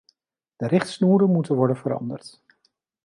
De richtsnoeren moeten worden veranderd.